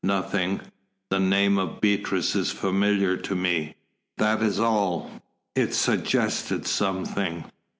"Nothing; the name of Beatrice is familiar to me, that is all. It suggested something."